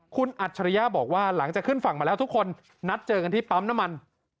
คุณอัจฉริยะบอกว่าหลังจากขึ้นฝั่งมาแล้วทุกคนนัดเจอกันที่ปั๊มน้ำมัน